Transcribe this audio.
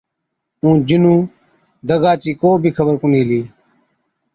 اُون جِنُون دگا چِي ڪو بِي خبر ڪونهِي هِلِي۔